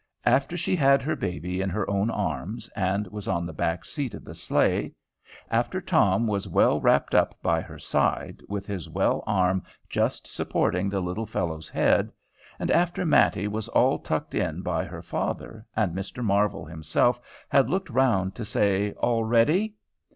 After she had her baby in her own arms, and was on the back seat of the sleigh; after Tom was well wrapped up by her side, with his well arm just supporting the little fellow's head; after Mattie was all tucked in by her father, and Mr. Marvel himself had looked round to say, "All ready?"